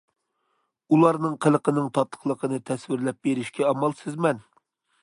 ئۇلارنىڭ قىلىقىنىڭ تاتلىقلىقىنى تەسۋىرلەپ بېرىشكە ئامالسىزمەن.